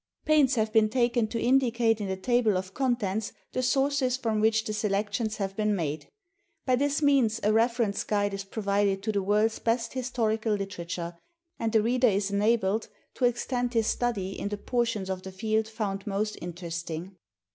Pains have been taken to indicate in the Table of Contents the sources from which the selections have been made. By this means a reference guide is provided to the world's best historical Hterature, and the reader is enabled to extend his study in the portions of the field found most inter esting.